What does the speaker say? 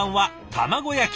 卵焼き。